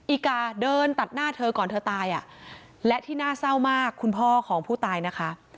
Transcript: อีกาเดินตัดหน้าเธอก่อนเธอตายอ่ะและที่น่าเศร้ามากคุณพ่อของผู้ตายนะคะ